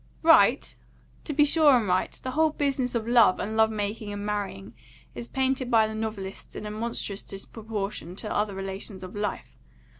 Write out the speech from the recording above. "Right? To be sure I am right. The whole business of love, and love making and marrying, is painted by the novelists in a monstrous disproportion to the other relations of life.